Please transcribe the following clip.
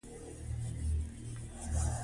زده کړه ښځه په کار او کاروبار کې خپلواکه ده.